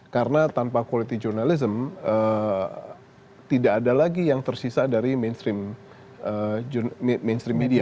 karena tanpa quality journalism tidak ada lagi yang tersisa dari mainstream media